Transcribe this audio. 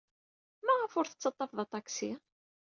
Maɣef ur tettaḍḍafed aṭaksi?